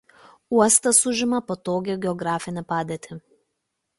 Uostas užima patogią geografinę padėtį.